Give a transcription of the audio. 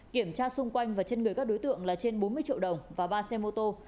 kiểm tra xung quanh và trên người các đối tượng là trên bốn mươi triệu đồng và ba xe mô tô